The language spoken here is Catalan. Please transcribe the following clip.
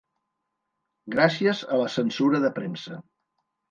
Gràcies a la censura de premsa